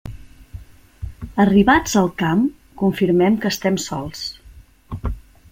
Arribats al camp, confirmem que estem sols.